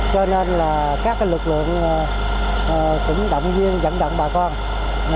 cho nên là các lực lượng cũng động viên dẫn động bà con